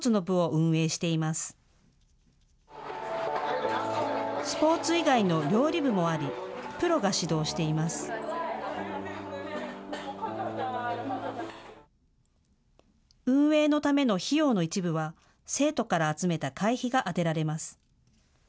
運営のための費用の一部は生徒から集めた会費が充てられます。